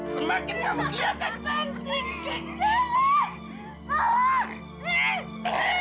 semakin kamu kelihatan cantik